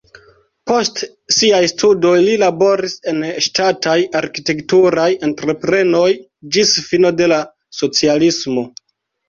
Post siaj studoj li laboris en ŝtataj arkitekturaj entreprenoj ĝis fino de la socialismo.